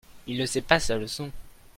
Il ne sait pas sa leçon.